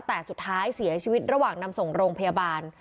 แต่สุดท้ายเสียชีวิตระหว่างนำส่งโรงพยาบาล